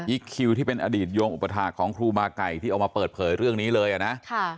คิวที่เป็นอดีตโยงอุปถาคของครูมาไก่ที่เอามาเปิดเผยเรื่องนี้เลยนะ